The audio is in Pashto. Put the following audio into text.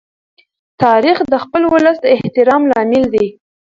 تاریخ د خپل ولس د احترام لامل دی.